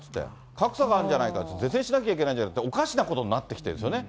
格差があるんじゃないかって、是正しなきゃいけないんじゃないかって、おかしなことになってきているんですね。